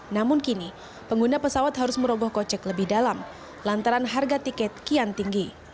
namun kini pengguna pesawat harus merogoh kocek lebih dalam lantaran harga tiket kian tinggi